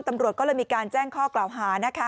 ตำรวจก็เลยมีการแจ้งข้อกล่าวหานะคะ